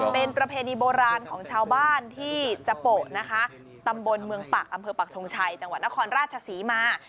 เป็นประเพณีโบราณของชาวบ้านที่จะโปะนะคะตำบลเมืองปักอำเภอปักทงชัยจังหวัดนครราชศรีมา